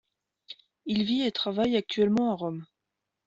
Il vit et travaille actuellement à Rome.